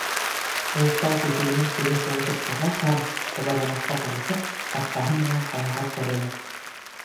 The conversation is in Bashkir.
Ул тау тишегенән кире шыуышып сыға һәм, ҡыбырламаҫҡа тырышып, арҡаһы менән ҡаяға терәлә.